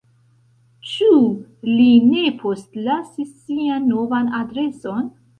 Ĉu li ne postlasis sian novan adreson?